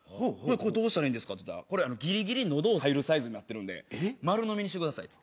「これどうしたらいいんですか？」って言ったらぎりぎり喉を入るサイズになってるんで丸のみにしてくださいと。